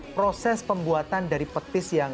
proses pembuatan dari petis yang